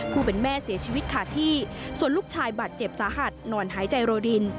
ผู้เป็นแม่เสียชีวิตขาดที่ส่วนลูกชายบาดเจ็บสาหัสนอนหายใจโรดิน